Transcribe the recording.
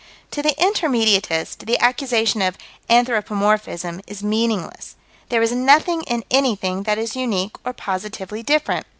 To the Intermediatist, the accusation of "anthropomorphism" is meaningless. There is nothing in anything that is unique or positively different.